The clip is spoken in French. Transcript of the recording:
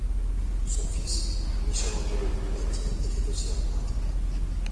Son fils, Michelangelo Prunati était aussi un peintre.